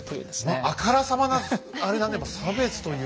もうあからさまなあれだね差別というかまあ。